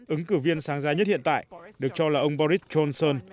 ứng cử viên sáng giá nhất hiện tại được cho là ông boris johnson